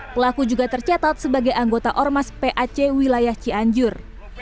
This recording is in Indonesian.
pelaku juga tercatat sebagai anggota ormas pac wilayah cianjur